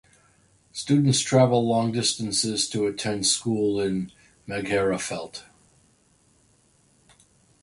Students travel long distances to attend school in Magherafelt.